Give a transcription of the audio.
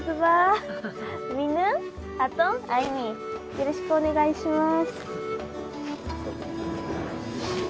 よろしくお願いします。